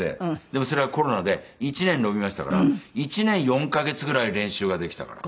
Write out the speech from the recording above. でもそれはコロナで１年延びましたから１年４カ月ぐらい練習ができたから。